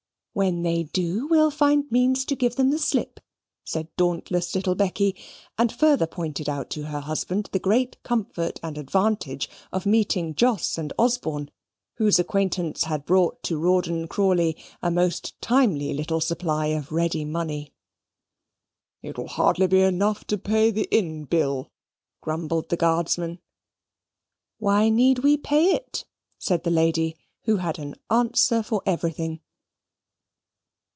"When they do, we'll find means to give them the slip," said dauntless little Becky, and further pointed out to her husband the great comfort and advantage of meeting Jos and Osborne, whose acquaintance had brought to Rawdon Crawley a most timely little supply of ready money. "It will hardly be enough to pay the inn bill," grumbled the Guardsman. "Why need we pay it?" said the lady, who had an answer for everything.